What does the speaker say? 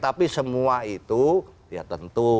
tapi semua itu ya tentu